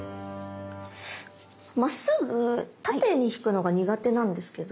まっすぐ縦に引くのが苦手なんですけど。